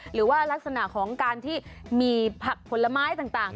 ลักษณะของการที่มีผักผลไม้ต่าง